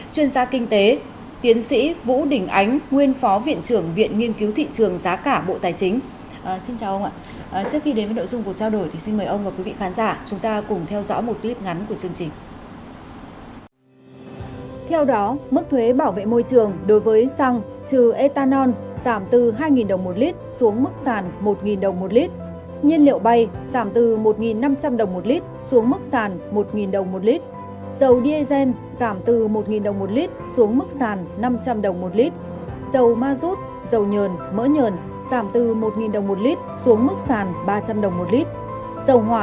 chuyên gia kinh tế tiến sĩ vũ đình ánh nguyên phó viện trưởng viện nghiên cứu thị trường giá cả bộ tài chính